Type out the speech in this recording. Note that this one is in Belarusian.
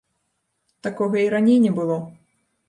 Такога і раней не было.